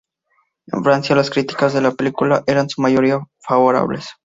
En Francia las críticas de la película eran en su mayoría favorables.